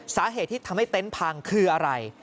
สาเหตุที่ทำให้เต็นต์พังคืออะไร